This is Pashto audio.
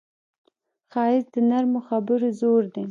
ښایست د نرمو خبرو زور دی